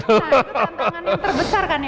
nah itu tantangan yang terbesar kan ya